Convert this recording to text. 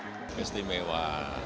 pak irlanda istimewa